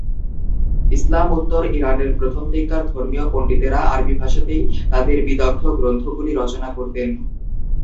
ইসলাম-উত্তর ইরানের প্রথম দিককার ধর্মীয় পণ্ডিতেরা আরবি ভাষাতেই তাদের বিদগ্ধ গ্রন্থগুলি রচনা করতেন।